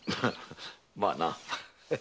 まあな。